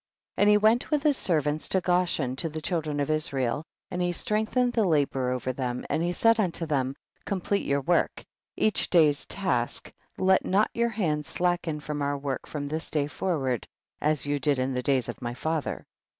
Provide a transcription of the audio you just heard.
9. And he went witli his servants to Goshen to the children of Israel, and he strengthened the labor over them and he said unto them, complete your work, each day's task, and let not your hands slacken from our work from this day forward as vou did in the days of my father.